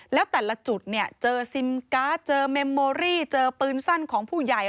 แล้วแต่ละจุดเนี่ยเจอซิมการ์ดเจอเมมโมรี่เจอปืนสั้นของผู้ใหญ่